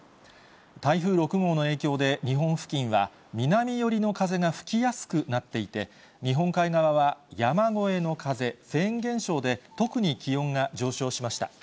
台風６号の影響で日本付近は南寄りの風が吹きやすくなっていて、日本海側は山越えの風、フェーン現象で特に気温が上昇しました。